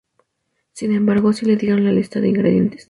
Sin embargo, sí le dieron la lista de ingredientes.